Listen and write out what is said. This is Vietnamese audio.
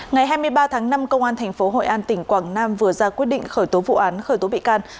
ngày hai mươi ba tháng năm công an tp hội an tỉnh quảng nam vừa ra quyết định khởi tố vụ án khởi tố bị can